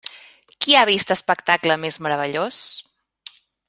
Qui ha vist espectacle més meravellós?